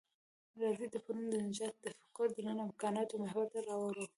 راځئ د پرون د نجات تفکر د نن امکاناتو محور ته راوړوو.